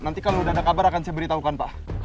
nanti kalau sudah ada kabar akan saya beritahukan pak